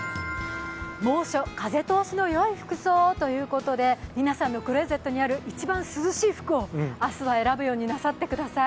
猛暑、風通しのよい服装をということで、皆さんのクローゼットにある一番涼しい服を明日は選ぶようになさってください。